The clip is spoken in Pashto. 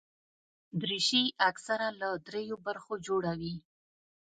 دریشي اکثره له درېو برخو جوړه وي.